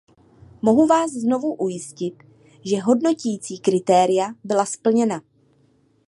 Mohu vás znovu ujistit, že hodnotící kritéria byla splněna.